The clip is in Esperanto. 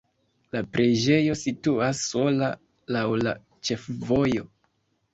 La preĝejo situas sola laŭ la ĉefvojo.